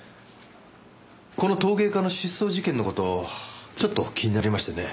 この陶芸家の失踪事件の事ちょっと気になりましてね。